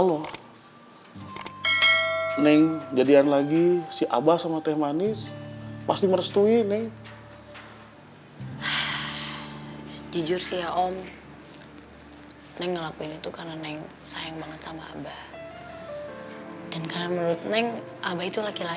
om ngapain sih disitu ya allah